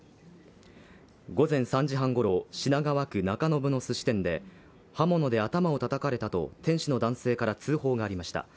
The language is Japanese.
午前３時半ごろ、品川区中延のすし店で刃物で頭をたたかれたと店主の男性から通報がありました。